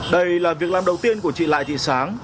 đây là việc làm đầu tiên của chị lại thị sáng